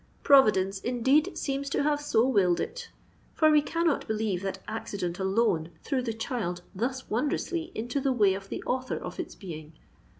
Providence indeed seems to have so willed it; for we cannot believe that accident alone threw the child thus wondrously into the way of the author of its being.